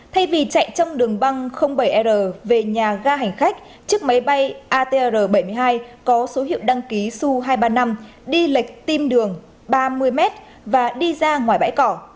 thay vì chạy trong đường băng bảy r về nhà ga hành khách chiếc máy bay atr bảy mươi hai có số hiệu đăng ký su hai trăm ba mươi năm đi lệch tim đường ba mươi m và đi ra ngoài bãi cỏ